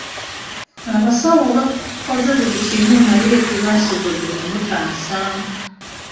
Abasawo bakoze buli kimu, naye tebaasobodde kumutaasa.